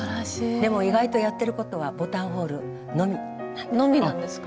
でも意外とやってることはボタンホールのみ。のみなんですか？